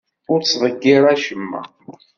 Ur ttḍeyyir acemma.